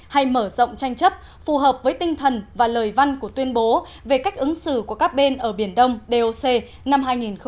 hay mở rộng tranh chấp phù hợp với tinh thần và lời văn của tuyên bố về cách ứng xử của các bên ở biển đông doc năm hai nghìn một mươi tám